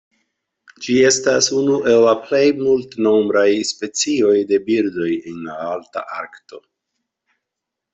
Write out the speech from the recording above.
Ĝi estas unu el la plej multnombraj specioj de birdoj en la Alta Arkto.